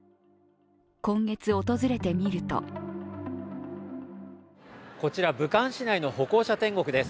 今月訪れてみるとこちら武漢市内の歩行者天国です。